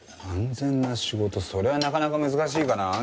安全な仕事それはなかなか難しいかな。